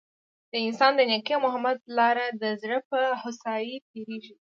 د انسان د نیکۍ او محبت لار د زړه په هوسايۍ تیریږي.